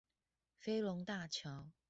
飛龍大橋